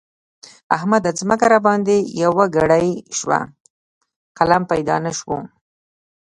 احمده! ځمکه راباندې يوه کړۍ شوه؛ قلم پيدا نه شو.